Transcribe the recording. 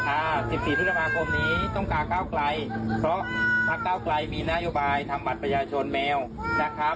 อ่าสิบสี่พฤษภาคมนี้ต้องการก้าวไกลเพราะพักเก้าไกลมีนโยบายทำบัตรประชาชนแมวนะครับ